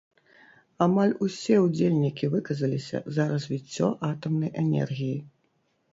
Амаль усе ўдзельнікі выказаліся за развіццё атамнай энергіі.